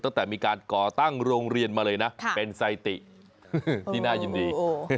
ตั้งแต่มีการก่อตั้งโรงเรียนมาเลยนะเป็นไซติที่น่ายินดี